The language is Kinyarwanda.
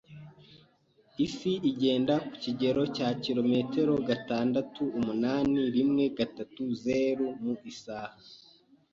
Isi igenda ku kigero cya kilometero gatandatuumunani.rimwegatatuzeru mu isaha.